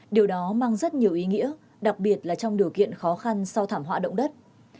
điều đó mang rất nhiều ý nghĩa đặc biệt là trong điều kiện khó khăn sau thảm họa động đất